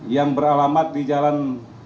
yang beralamat di jalan